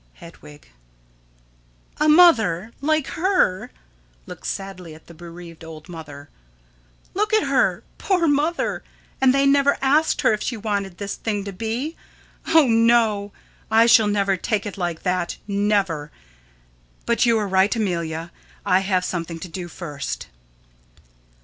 Hedwig: A mother? Like her? [Looks sadly at the bereaved old mother.] Look at her! Poor Mother! And they never asked her if she wanted this thing to be! Oh, no! I shall never take it like that never! But you are right, Amelia. I have something to do first.